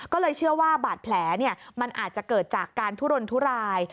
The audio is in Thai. ก็เลยเชื่อว่าบาดแผลมันอาจจะเกิดจากการทุรนทุราย